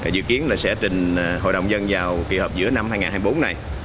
dự kiến sẽ trình hội đồng nhân dân vào kỳ hợp giữa năm hai nghìn hai mươi bốn này